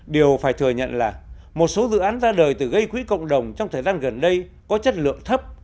điều phải thừa nhận là một số dự án ra đời từ gây quỹ cộng đồng trong thời gian gần đây có chất lượng thấp